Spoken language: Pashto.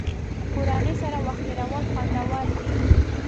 کورنۍ سره وخت تېرول خوندور دي.